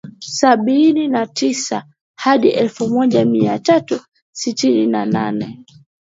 Sabini na tisa hadi elfu moja mia tatu sitini na nane